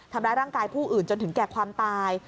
ทำร้ายร่างกายผู้อื่นจนถึงแก่ความตาย